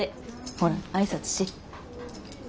ほら挨拶し。